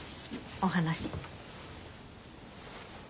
お話。